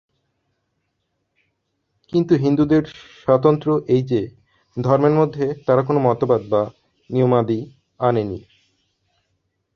কিন্তু হিন্দুদের স্বাতন্ত্র্য এই যে, ধর্মের মধ্যে তারা কোন মতবাদ বা নিয়মাদি আনেনি।